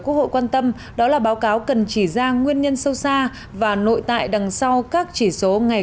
quốc hội quan tâm đó là báo cáo cần chỉ ra nguyên nhân sâu xa và nội tại đằng sau các chỉ số ngày